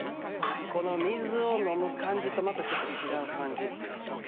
水を飲む感じとまたちょっと違う感じっていうか。